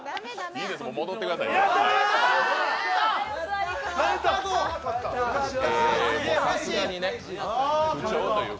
いいですよ、戻ってください、もう。